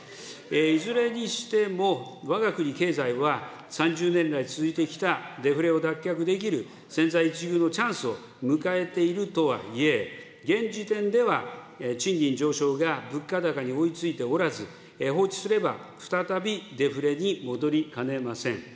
いずれにしても、わが国経済は３０年来続いてきたデフレを脱却できる千載一遇のチャンスを迎えているとはいえ、現時点では、賃金上昇が物価高に追いついておらず、放置すれば、再びデフレに戻りかねません。